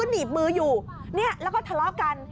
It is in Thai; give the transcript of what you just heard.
หนีบมืออยู่เนี่ยแล้วก็ทะเลาะกัน